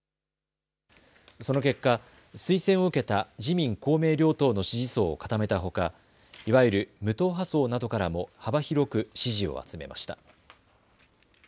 その結果、推薦を受けた自民公明両党の支持層を固めたほかいわゆる無党派層などからも幅広く支持を集めました。